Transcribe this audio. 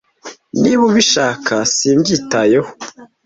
niba ubishaka simbyitayeho